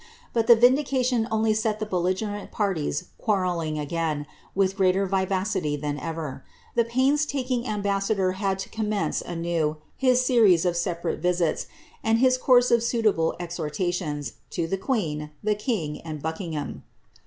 But the vindication only set the belligerent parties quarrelling again, with greater vivacity than ever. The pains taking ambassador had to com mence anew his series of separate visits, and his course of suitable ex hortations, to the queen, the king, and Buckingham.